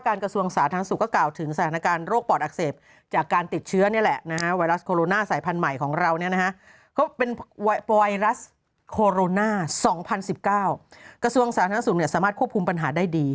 กระทรวงสาธารณสุทธิ์เนี่ยสามารถควบคุมปัญหาได้ดี